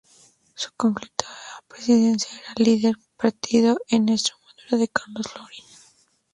Su candidato a la presidencia era el líder del partido en Extremadura Carlos Floriano.